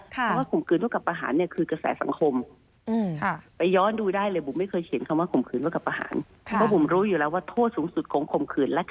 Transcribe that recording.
เพราะว่าข่มขืนเท่ากับประหารเนี่ยคือกระแสสังคม